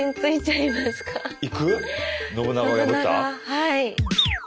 はい。